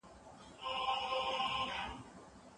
سياسي فکر کوم ځای ته رسيږي؟